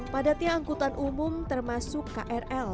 padatnya angkutan umum termasuk krl